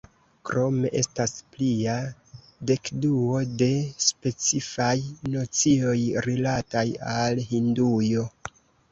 Krome estas plia dekduo de specifaj nocioj rilataj al Hindujo.